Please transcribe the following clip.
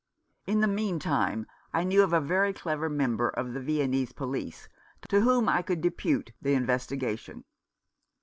In the mean time I knew of a very clever member of the Viennese police to whom I could depute the investigation.